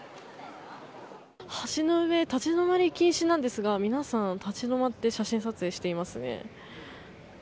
橋の上立ち止まり禁止なんですが皆さん、立ち止まって写真撮影していますね。